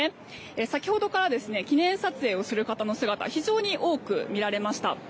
先ほどから記念撮影をする方の姿が非常に多く見られました。